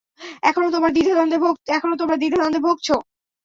এখনও তোমরা দ্বিধা-দ্বন্দ্বে ভোগছ?